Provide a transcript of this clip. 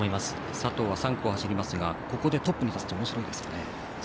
佐藤は３区を走りますがここでトップに立つとおもしろいですね。